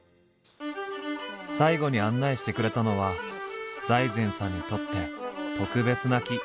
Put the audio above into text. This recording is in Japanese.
最後に案内してくれたのは財前さんにとって特別な木。